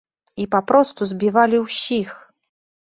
І папросту збівалі ўсіх!